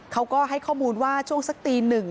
เขาก็ให้ข้อมูลว่าช่วงสักตีหนึ่ง